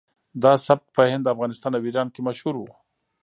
دا سبک په هند افغانستان او ایران کې مشهور و